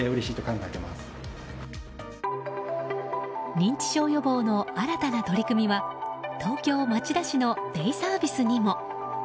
認知症予防の新たな取り組みは東京・町田市のデイサービスにも。